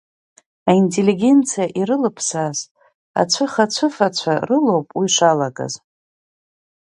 Аинтеллигенциа ирылаԥсаз ацәыхацәыфацәа рылоуп уи шалагаз.